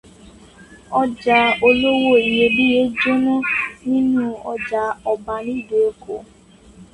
Ọjà olówó iyebíye jóná nínú ọjà Ọba nílùú Ẹ̀kọ́.